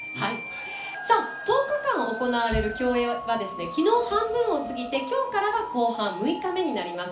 １０日間行われる競泳はきのう半分を過ぎてきょうからが後半６日目になります。